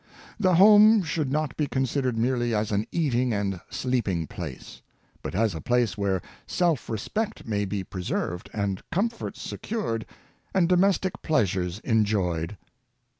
The home should not be considered merely as an eating and sleeping place; but as a place where self respect may be preserved, and comforts secured, and domestic pleasures enjoyed.